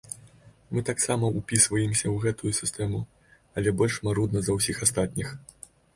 Мы таксама ўпісваемся ў гэтую сістэму, але больш марудна за ўсіх астатніх.